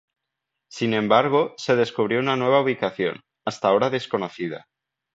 Sin embargo, se descubrió una nueva ubicación, hasta ahora desconocida.